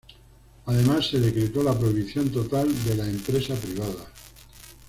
Además se decretó la prohibición total de la empresa privada.